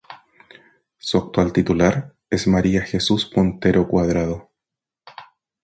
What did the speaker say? Su actual titular es María Jesús Montero Cuadrado.